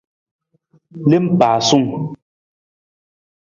Lem pasaawung.